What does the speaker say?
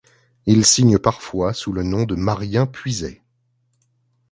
Il signe parfois sous le nom de Marien Puisaye.